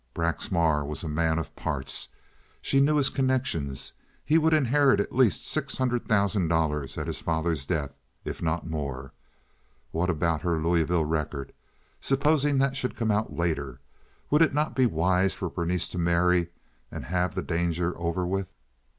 Braxmar was a man of parts. She knew his connections. He would inherit at least six hundred thousand dollars at his father's death, if not more. What about her Louisville record? Supposing that should come out later? Would it not be wise for Berenice to marry, and have the danger over with?